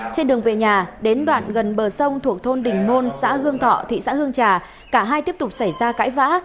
trên đường về nhà đến đoạn gần bờ sông thuộc thôn đình môn xã hương thọ thị xã hương trà cả hai tiếp tục xảy ra cãi vã